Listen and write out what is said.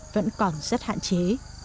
vẫn còn rất hạn chế